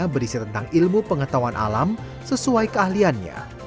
buku itu berisi tentang ilmu pengetahuan alam sesuai keahliannya